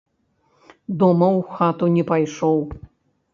Дома ў хату не пайшоў.